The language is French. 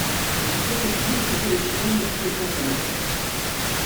Il compte aussi une pré-sélection en équipe de France amateur.